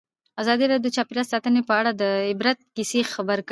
ازادي راډیو د چاپیریال ساتنه په اړه د عبرت کیسې خبر کړي.